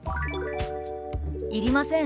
「いりません。